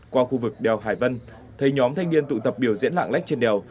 qua khu vực đèo hải vân thấy nhóm thanh niên tụ tập biểu diễn lạng lách trên đèo